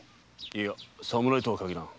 いや侍とは限らん。